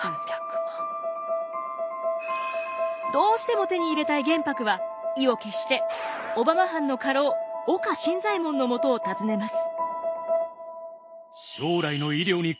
どうしても手に入れたい玄白は意を決して小浜藩の家老岡新左衛門のもとを訪ねます。